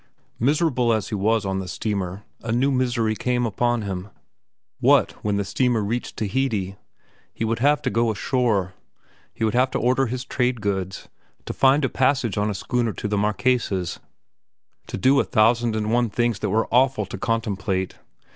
Miserable as he was on the steamer, a new misery came upon him. What when the steamer reached Tahiti? He would have to go ashore. He would have to order his trade goods, to find a passage on a schooner to the Marquesas, to do a thousand and one things that were awful to contemplate.